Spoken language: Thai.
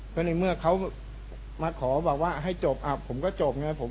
ก็ในเมื่อเขามาขอบอกว่าให้จบผมก็จบไง